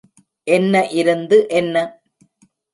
என்ன இருந்து என்ன?